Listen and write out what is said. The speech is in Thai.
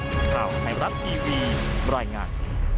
ขอบคุณครับที่วีดีโบราณงาน